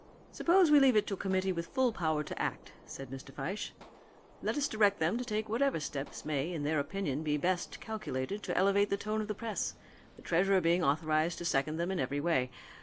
"Suppose we leave it to a committee with full power to act," said Mr. Fyshe. "Let us direct them to take whatever steps may in their opinion be best calculated to elevate the tone of the press, the treasurer being authorized to second them in every way.